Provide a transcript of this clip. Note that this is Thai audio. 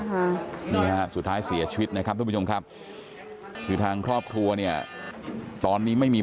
ตอนนี้หนูเสียพ่อออกไปหนูไม่รู้จะยืนอยู่ได้ยังไงไว้